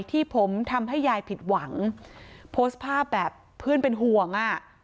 ที่ผมทำให้ยายผิดหวังโพสต์ภาพแบบเพื่อนเป็นห่วงอ่ะ